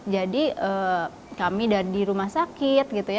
jadi kami dari rumah sakit gitu ya